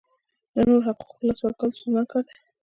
د نورو حقوقو لاسه ورکول ستونزمن کار دی.